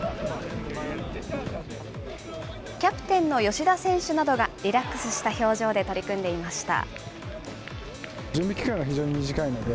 キャプテンの吉田選手などがリラックスした表情で取り組んでいました。